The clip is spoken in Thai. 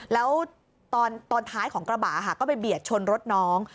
แล้วตอนท้ายของกระบะก็ไปเบียดชนรถน้อง